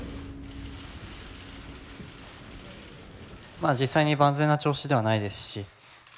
まあ実際に万全な調子ではないですしま